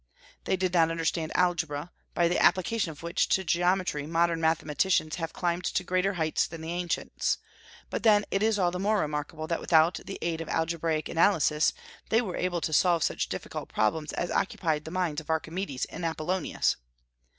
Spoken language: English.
They did not understand algebra, by the application of which to geometry modern mathematicians have climbed to greater heights than the ancients; but then it is all the more remarkable that without the aid of algebraic analysis they were able to solve such difficult problems as occupied the minds of Archimedes and Apollonius.